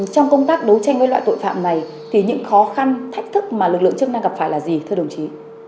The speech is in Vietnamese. trong công tác đấu tranh với loại tội phạm này thì những khó khăn thách thức mà lực lượng chức năng gặp phải là gì thưa đồng chí